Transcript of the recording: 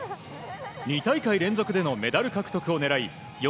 ２大会連続でのメダル獲得を狙い